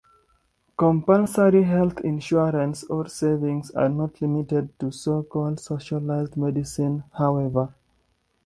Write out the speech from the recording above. Compulsory health insurance or savings are not limited to so-called socialized medicine, however.